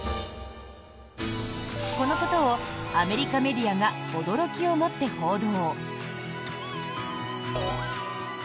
このことを、アメリカメディアが驚きをもって報道。